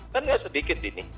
kan ya sedikit ini